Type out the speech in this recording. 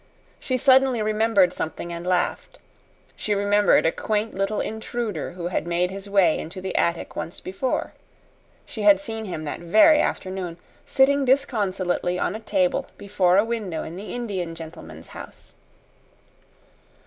She suddenly remembered something and laughed. She remembered a quaint little intruder who had made his way into the attic once before. She had seen him that very afternoon, sitting disconsolately on a table before a window in the Indian gentleman's house.